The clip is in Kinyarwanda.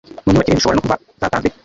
mu myubakire bishobora no kuba zatanzwe